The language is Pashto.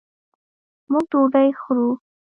موږ ډوډۍ خورو